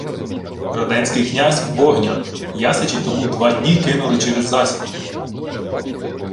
— Роденський князь Вогнян. Ясичі тому два дні кинули через засіку.